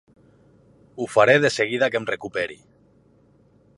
Ho faré de seguida que em recuperi.